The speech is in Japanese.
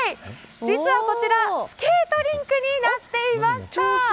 実は、こちらスケートリンクになっていました。